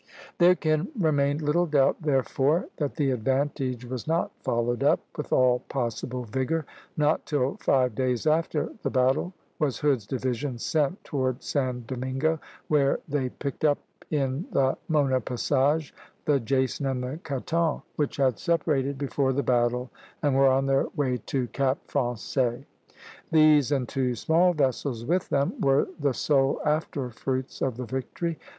" There can remain little doubt, therefore, that the advantage was not followed up with all possible vigor. Not till five days after the battle was Hood's division sent toward San Domingo, where they picked up in the Mona Passage the "Jason" and the "Caton," which had separated before the battle and were on their way to Cap Français. These, and two small vessels with them, were the sole after fruits of the victory.